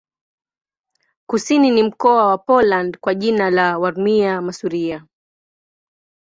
Kusini ni mkoa wa Poland kwa jina la Warmia-Masuria.